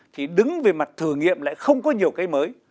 thì đứng về mặt thử nghiệm lại không có nhiều cái mới